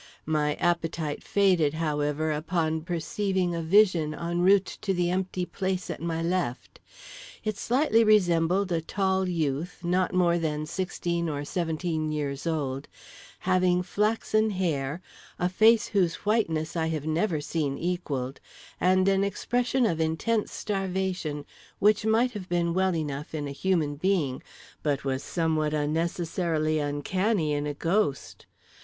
My appetite faded, however, upon perceiving a vision en route to the empty place at my left. It slightly resembled a tall youth not more than sixteen or seventeen years old, having flaxen hair, a face whose whiteness I have never seen equalled, and an expression of intense starvation which might have been well enough in a human being but was somewhat unnecessarily uncanny in a ghost.